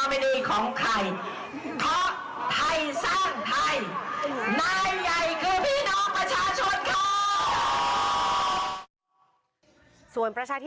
เพราะไทยสร้างไทยนายใหญ่คือพี่น้องประชาชนค่ะ